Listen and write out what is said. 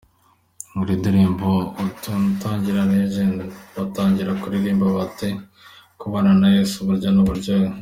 Muri ndirimbo Utamu igitangira, Legend batangira baririmba bati 'Kubana na Yesu burya ni uburyohe'.